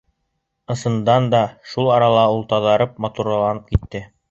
Ысындан да, шул арала ул таҙарып, матурланып китте.